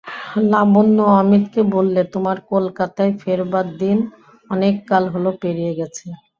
লাবণ্য অমিতকে বললে, তোমার কলকাতায় ফেরবার দিন অনেককাল হল পেরিয়ে গেছে।